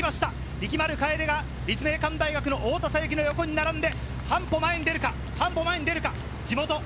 力丸楓が立命館大学の太田咲雪の横に並んで、半歩前に出るか？